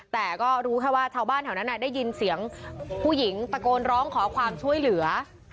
แต่ก็รู้แค่ว่าชาวบ้านแถวนั้นได้ยินเสียงผู้หญิงตะโกนร้องขอความช่วยเหลือ